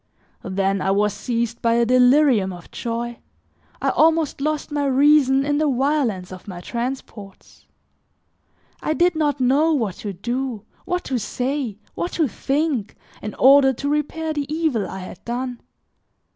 Then I was seized by a delirium of joy, I almost lost my reason in the violence of my transports; I did not know what to do, what to say, what to think, in order to repair the evil I had done.